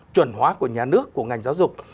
chuẩn hóa của nhà nước của ngành giáo dục